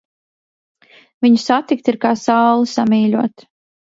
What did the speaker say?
Viņu satikt ir kā sauli samīļot.